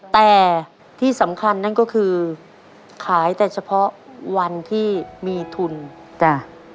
แต่ที่สำคัญนั่นก็คือขายแต่เฉพาะวันที่มีทุนจ้ะ